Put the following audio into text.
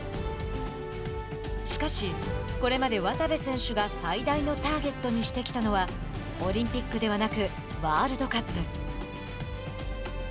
しかし、これまで渡部選手が最大のターゲットにしてきたのはオリンピックではなくワールドカップ。